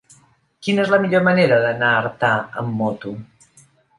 Quina és la millor manera d'anar a Artà amb moto?